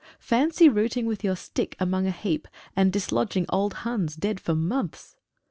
Fancy rooting with your stick among a heap and dislodging old Huns dead for months.